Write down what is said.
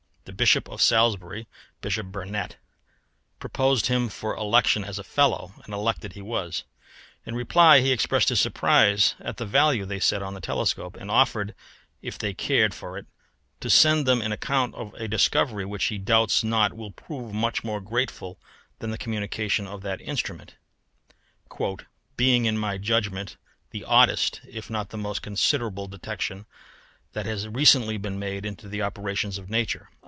The Bishop of Salisbury (Bishop Burnet) proposed him for election as a fellow, and elected he was. In reply, he expressed his surprise at the value they set on the telescope, and offered, if they cared for it, to send them an account of a discovery which he doubts not will prove much more grateful than the communication of that instrument, "being in my judgment the oddest, if not the most considerable detection that has recently been made into the operations of Nature."